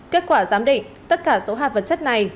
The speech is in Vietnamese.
kết quả giám định tất cả số hạt vật chất này